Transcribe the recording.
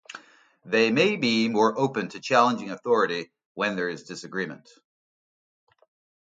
They may be more open to challenging authority when there is disagreement.